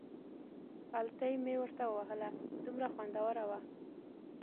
پلتۍ مې ورته ووهله، دومره خوندوره وه.